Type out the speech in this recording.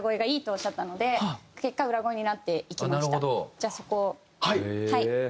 じゃあそこをはい。